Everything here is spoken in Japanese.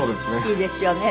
いいですよね。